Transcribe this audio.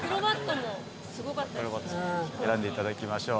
選んでいただきましょう。